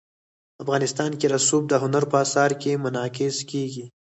افغانستان کې رسوب د هنر په اثار کې منعکس کېږي.